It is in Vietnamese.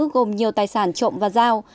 gồm nhiều tài sản trộm và giao